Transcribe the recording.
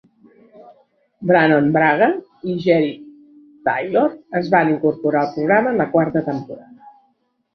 Brannon Braga i Jeri Taylor es van incorporar al programa en la quarta temporada.